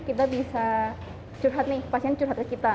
kita bisa curhat nih pasien curhatnya kita